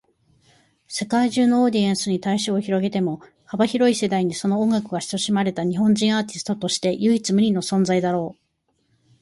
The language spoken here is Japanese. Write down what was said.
世界中のオーディエンスに対象を広げても、幅広い世代にその音楽が親しまれた日本人アーティストとして唯一無二の存在だろう。